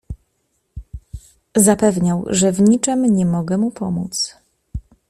"Zapewniał, że w niczem nie mogę mu pomóc."